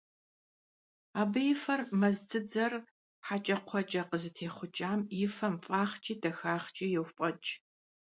Абы и фэр мэз дзыдзэр хьэкӀэкхъуэкӀэ къызытехъукӀам и фэм фӀагъкӀи дахагъкӀи йофӀэкӀ.